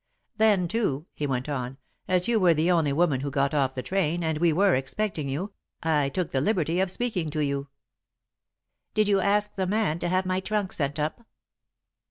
"Then, too," he went on, "as you were the only woman who got off the train, and we were expecting you, I took the liberty of speaking to you." "Did you ask the man to have my trunk sent up?"